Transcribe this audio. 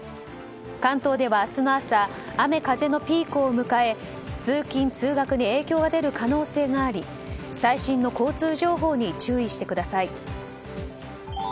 関東では、明日の朝雨風のピークを迎え通勤・通学に影響が出る可能性があり最新の交通情報に注意してください。